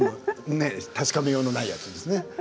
確かめようがないやつですね。